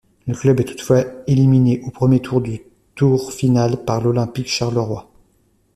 Le club est toutefois éliminé au premier tour du tour final par l'Olympic Charleroi.